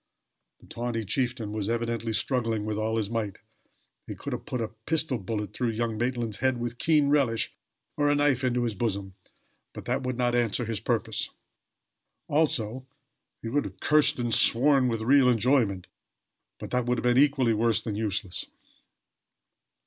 The tawny chieftain was evidently struggling with all his might. He could have put a pistol bullet through young Maitland's head with keen relish or a knife into his bosom; but that would not answer his purpose. Also, he could have cursed and sworn, with real enjoyment; but that would have been equally worse than useless.